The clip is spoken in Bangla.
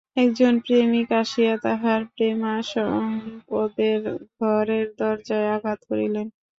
একজন প্রেমিক আসিয়া তাঁহার প্রেমাস্পদের ঘরের দরজায় আঘাত করিলেন।